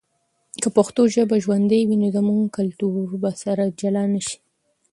که پښتو ژبه ژوندی وي، نو زموږ کلتور به سره جلا نه سي.